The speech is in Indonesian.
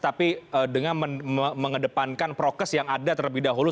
tapi dengan mengedepankan prokes yang ada terlebih dahulu